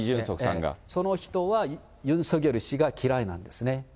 その人はユン・ソギョル氏が嫌いなんですね。